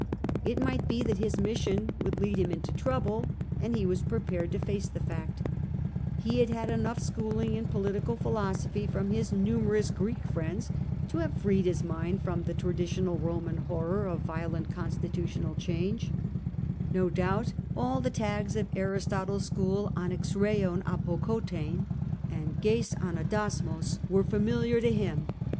I t might be that his mi ssion would lead h im into trouHe, and he was prepared toTace"thel5ctrT3e hadHEadT^ough schooling in political p&ilbsdphjTrom his numerous Greek friends to have freed his mind from the traditionary Roman horror of violent constitntional change No doubt all the tags of Aristotle^s school on ')(^p€mv dTrotconTT] and dva^acr/io<; were familiar bo him.